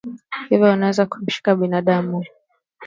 hivyo vinaweza kumshika binadamu